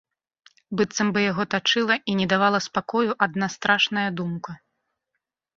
Быццам бы яго тачыла і не давала спакою адна страшная думка.